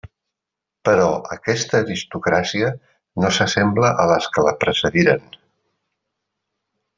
Però aquesta aristocràcia no s'assembla a les que la precediren.